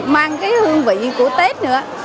mang cái hương vị của tết nữa